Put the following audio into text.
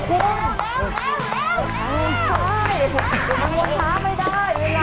เร็วเร็วเร็วเร็วเร็วเร็ว